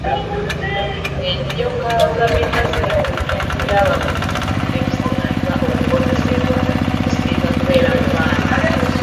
Enjoka za Bilihaazia mu bitundu by’abavubi ebisinga okukosebwa zisinga kubeera mu baana.